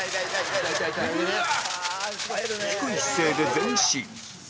低い姿勢で前進